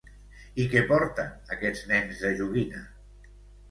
I què porten aquests nens de joguina?